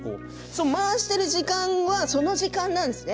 回している時間はその時間なんですね